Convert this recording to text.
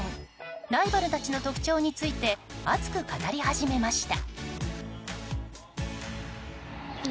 ライバルたちの特徴について熱く語り始めました。